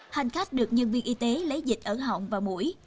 hành khách được nhân viên y tế lấy dịch ở họng và mũi